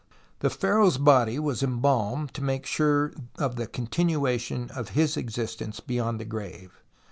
The pharaoh's body was em balmed to make sure of the continuation of his existence beyond the grave.